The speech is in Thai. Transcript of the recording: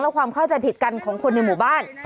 และความเข้าใจผิดกันของคนในหมู่บ้าน